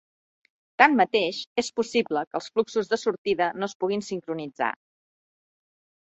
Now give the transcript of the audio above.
Tanmateix, és possible que els fluxos de sortida no es puguin sincronitzar.